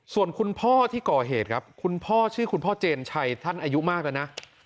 ส่วนคุณพ่อที่ก่อเหตุครับคุณพ่อชื่อคุณพ่อเจนชัยท่านอายุมากแล้วนะ